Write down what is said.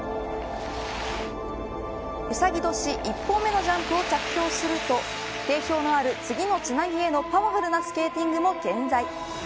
うさぎ年１本目のジャンプを着氷すると定評のある次のつなぎへのパワフルなスケーティングも健在。